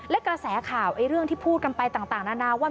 และกระแสข่าวเรื่องที่พูดกันไปต่างนานาว่า